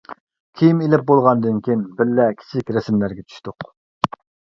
كىيىم ئېلىپ بولغاندىن كېيىن بىللە كىچىك رەسىملەرگە چۈشتۇق.